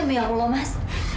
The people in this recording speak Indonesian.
ya allah mas